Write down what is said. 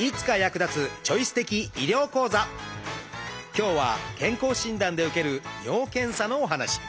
今日は健康診断で受ける「尿検査」のお話。